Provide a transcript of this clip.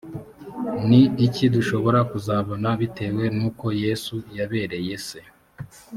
ni iki dushobora kuzabona bitewe n uko yesu yabereye se